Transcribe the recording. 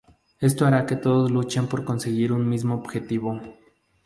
Esto hará que todos luchen por conseguir un mismo objetivo.